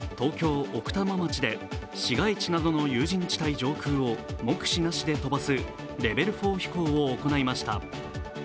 そして日本郵便は先月東京・奥多摩町で市街地などの有人地帯上空を目視なしで飛ばすレベル４飛行を行いました。